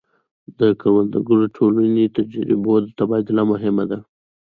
د کروندګرو ټولنې د تجربو تبادله مهمه ده.